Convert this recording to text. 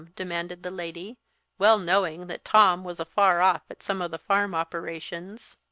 demanded the lady, well knowing that Tom was afar off at some of the farm operations.